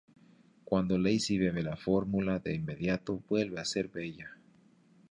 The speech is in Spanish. Cuando Lacey bebe la fórmula de inmediato vuelve a ser Bella.